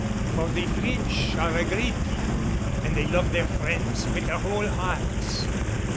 For the French are a great people and they love their friends with their whole hearts.